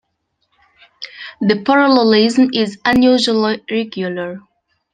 The parallelism is unusually regular.